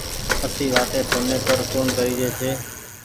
اسي وآتي ڦوني پر ڪون ڪريجي ڇي